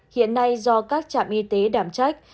hiện nay do các trạm y tế đảm trách